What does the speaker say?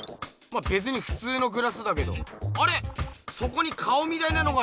べつにふつうのグラスだけどあれ⁉そこに顔みたいなのがあるよ？